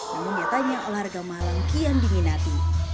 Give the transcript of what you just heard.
namun nyatanya olahraga malang kian diminati